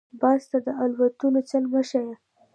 - باز ته دالوتلو چل مه ښیه.